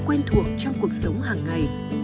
quen thuộc trong cuộc sống hàng ngày